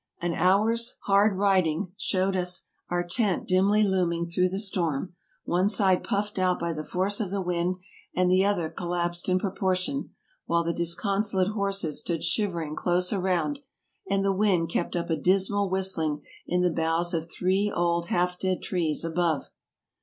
An hour's hard riding showed us our tent dimly looming through the storm, one side puffed out by the force of the wind, and the other collapsed in proportion, while the disconsolate horses stood shivering close around, and the wind kept up a dismal whistling in the boughs of three old half dead trees above.